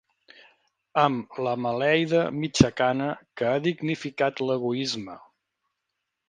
Am la maleida mitja-cana que ha dignificat l'egoisme